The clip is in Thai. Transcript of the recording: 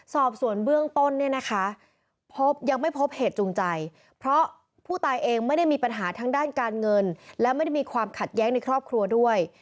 สอบส่วนเบื้องต้นเนี่ยนะคะยังไม่พบเหตุจูงใจเพราะผู้ตายเองไม่ได้มีปัญหาทางด้านการเงินและไม่ได้มีความขัดแย้งในครอบครัวด้วย